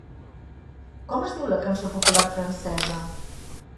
Com es diu la cançó popular francesa?